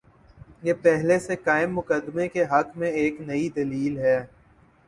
یہ پہلے سے قائم مقدمے کے حق میں ایک نئی دلیل ہے۔